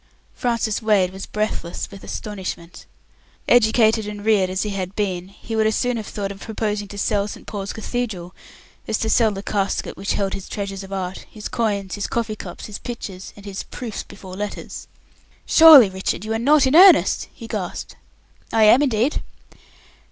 Francis Wade was breathless with astonishment. Educated and reared as he had been, he would as soon have thought of proposing to sell St. Paul's Cathedral as to sell the casket which held his treasures of art his coins, his coffee cups, his pictures, and his "proofs before letters". "Surely, Richard, you are not in earnest?" he gasped. "I am, indeed."